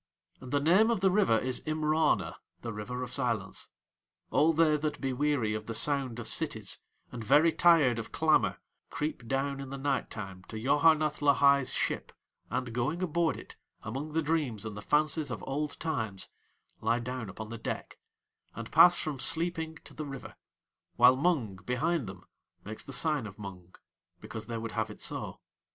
And the name of the River is Imrana the River of Silence. All they that be weary of the sound of cities and very tired of clamour creep down in the night time to Yoharneth Lahai's ship, and going aboard it, among the dreams and the fancies of old times, lie down upon the deck, and pass from sleeping to the River, while Mung, behind them, makes the sign of Mung because they would have it so.